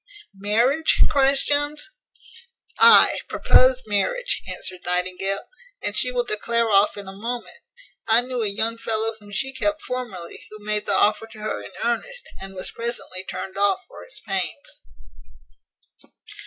"Marriage?" cries Jones. "Ay, propose marriage," answered Nightingale, "and she will declare off in a moment. I knew a young fellow whom she kept formerly, who made the offer to her in earnest, and was presently turned off for his pains."